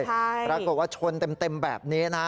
ปรากฏว่าชนเต็มแบบนี้นะ